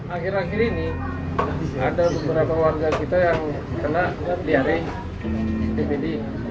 akhir akhir ini ada beberapa warga kita yang kena diare dpd